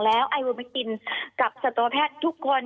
แล้วไอวนมากินกับสัตวแพทย์ทุกคน